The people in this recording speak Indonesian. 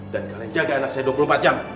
dan kalian jaga anak saya dua puluh empat jam